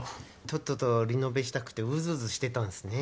とっととリノベしたくてうずうずしてたんすね。